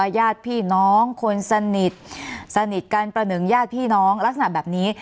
ญาติพี่น้องคนสนิทสนิทกันประหนึ่งญาติพี่น้องลักษณะแบบนี้